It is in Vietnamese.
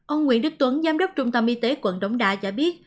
ông nguyễn đức tuấn giám đốc trung tâm y tế quận đống đạ giả biết